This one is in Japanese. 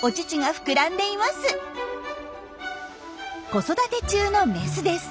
子育て中のメスです。